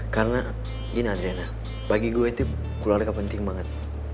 karena gini adrena bagi gue itu keluarga penting banget